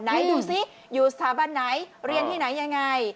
ไหนดูสิอยู่สถาบันไหนเรียนที่ไหนยังไง